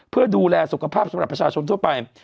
เพื่อดูแลสุขภาพสำหรับประชาชนทั่วไป